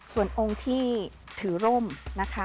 ส่วนองค์ที่ถือร่มนะคะ